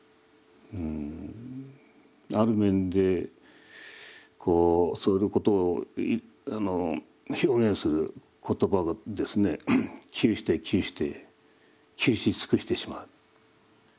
ある面でそういうことを表現する言葉がですね窮して窮して窮し尽くしてしまう。